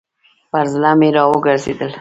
پر زړه مي راوګرځېدل .